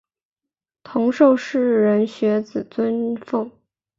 同受士人学子尊奉。